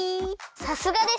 さすがです！